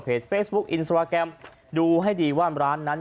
เฟซบุ๊คอินสตราแกรมดูให้ดีว่าร้านนั้น